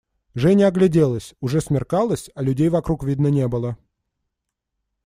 Женя огляделась: уже смеркалось, а людей вокруг видно не было.